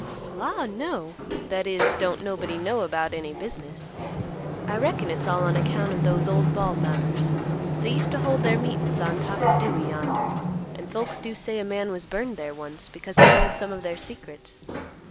"Law, no! that is, don't nobody know about any business; I reckon it's all on account of those old Bald Knobbers; they used to hold their meetin's on top of Dewey yonder, and folks do say a man was burned there once, because he told some of their secrets.